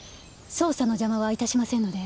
捜査の邪魔はいたしませんので。